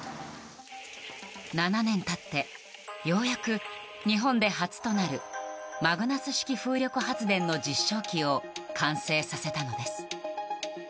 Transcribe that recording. ７年経ってようやく日本で初となるマグナス式風力発電の実証機を完成させたのです。